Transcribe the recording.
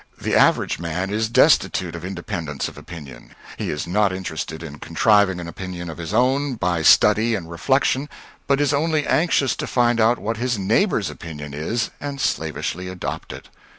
The average man is destitute of independence of opinion. He is not interested in contriving an opinion of his own, by study and reflection, but is only anxious to find out what his neighbor's opinion is and slavishly adopt it.